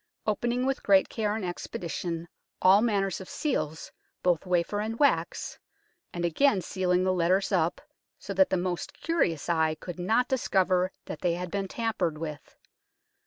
Opening with great care and expedition all manner of seals, both wafer and wax, and again sealing the letters up so that the most curious eye could not discover that they had been tampered with.